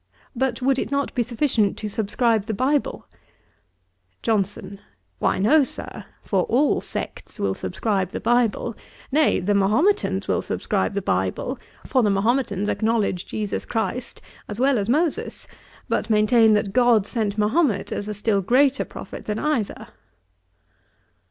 'But, would it not be sufficient to subscribe the Bible?' JOHNSON. 'Why no, Sir; for all sects will subscribe the Bible; nay, the Mahometans will subscribe the Bible; for the Mahometans acknowledge JESUS CHRIST, as well as Moses, but maintain that GOD sent Mahomet as a still greater prophet than either.'